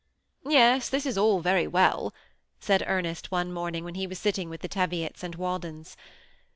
" Yes, this is all very well," said Ernest one morning when he was sitting with the Teviots and Waldens.